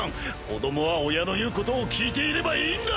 子どもは親の言うことを聞いていればいいんだ！